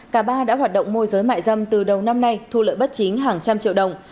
cả ba đã hoạt động môi giới mại dâm từ đầu năm nay thu lợi bất chính hàng trăm triệu đồng